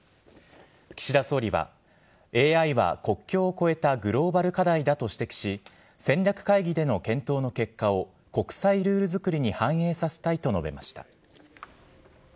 岸田総理はＡＩは国境を越えたグローバル課題だと指摘し戦略会議での検討の結果を国際ルールづくりに反映させたいと述べました。